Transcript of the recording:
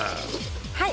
はい。